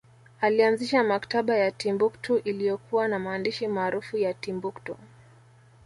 Alianzisha maktaba ya Timbuktu iliyokuwa na maandishi maarufu ya Timbuktu